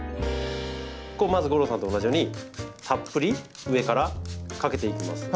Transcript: まず吾郎さんと同じようにたっぷり上からかけていきます。